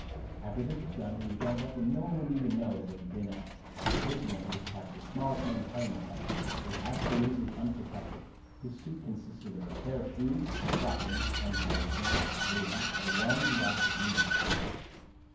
"After this was done, he would jump up and no one would ever know that it had been out. This man, who perhaps was the smallest man playing at that time, was absolutely unprotected. His suit consisted of a pair of shoes, stockings, unpadded pants, jersey and one elastic knee bandage."